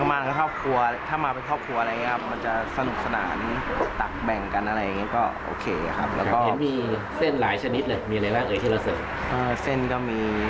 ว่าให้ทางมายังเป็นครอบครัวอะไรนะครับมันจะสนุกสนานตักแบ่งกันอะไร